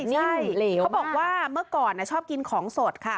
ใช่เขาบอกว่าเมื่อก่อนชอบกินของสดค่ะ